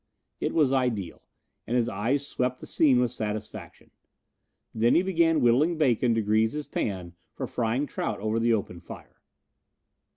It was ideal and his eyes swept the scene with satisfaction. Then he began whittling bacon to grease his pan for frying trout over the open fire.